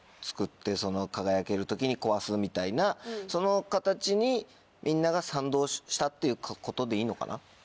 つくってその輝ける時に壊すみたいなその形にみんなが賛同したっていうことでいいのかな？